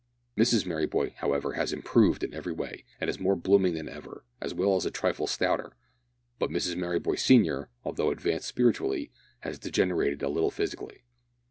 Mrs Merryboy, however, has improved in every way, and is more blooming than ever, as well as a trifle stouter, but Mrs Merryboy senior, although advanced spiritually, has degenerated a little physically.